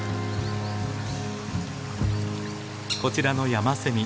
こちらのヤマセミ